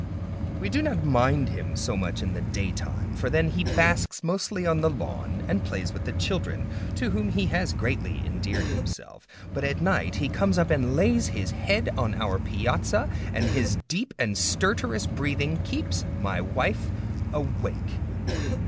We do not mind him so much in the daytime, for he then basks mostly on the lawn and plays with the children (to whom he has greatly endeared himself), but at night he comes up and lays his head on our piazza, and his deep and stertorous breathing keeps my wife awake.